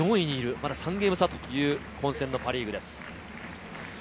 まだ３ゲーム差という混戦のパ・リーグです。